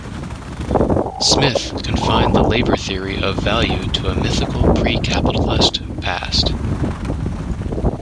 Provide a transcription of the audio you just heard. Smith confined the labour theory of value to a mythical pre-capitalist past.